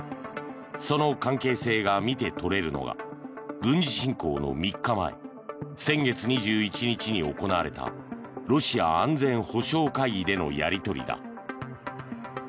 その関係性が見て取れるのが軍事侵攻の３日前先月２１日に行われたロシア安全保障会議でのやり取りだ。